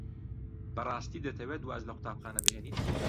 بەڕاستی دەتەوێت واز لە قوتابخانە بهێنیت؟